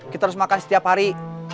kita harus makan setiap hari